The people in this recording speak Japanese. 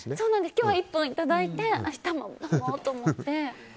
今日は１本いただいて明日も飲もうと思って。